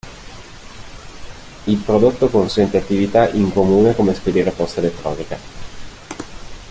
Il prodotto consente attività in comune come spedire posta elettronica.